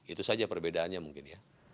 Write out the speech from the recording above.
itu saja perbedaannya mungkin ya